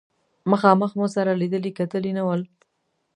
مخامخ مو سره لیدلي کتلي نه ول.